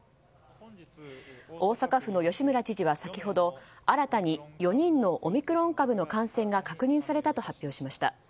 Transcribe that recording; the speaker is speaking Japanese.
大阪府の吉村知事は先ほど新たに４人のオミクロン株の感染が確認されたと発表しました。